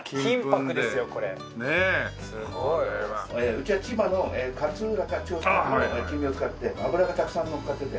うちは千葉の勝浦から金目を使って脂がたくさんのっかってて。